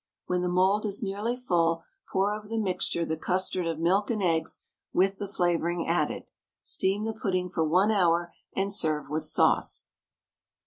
When the mould is nearly full, pour over the mixture the custard of milk and eggs with the flavouring added. Steam the pudding for 1 hour, and serve with sauce.